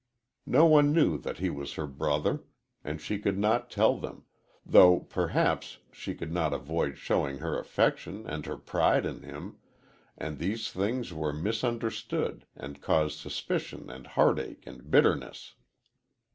No one knew that he was her brother, and she could not tell them, though perhaps she could not avoid showing her affection and her pride in him, and these things were misunderstood and caused suspicion and heartache and bitterness.